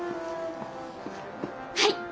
はい！